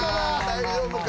大丈夫か？